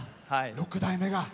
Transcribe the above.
６代目が。